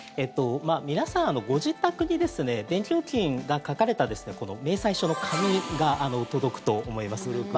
皆さん、ご自宅に電気料金が書かれた明細書の紙が届くと思います。